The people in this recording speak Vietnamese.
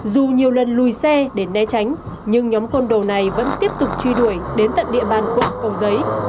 dù nhiều lần lùi xe để né tránh nhưng nhóm côn đồ này vẫn tiếp tục truy đuổi đến tận địa bàn quận cầu giấy